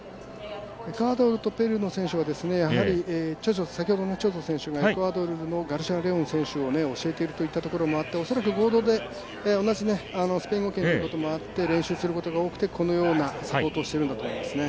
エクアドルとペルーの選手が先ほどのチョチョ選手がエクアドルのガルシア・レオンを教えているということもあって、恐らく、合同で同じスペイン語圏ということもあって練習することが多くてこのようなサポートをしているんだと思いますね。